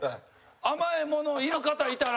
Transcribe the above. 「甘いものいる方いたら」